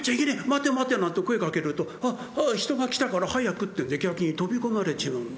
待て待て」なんて声かけると「あっあ人が来たから早く」って逆に飛び込まれちまう。